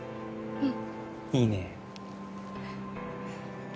うん。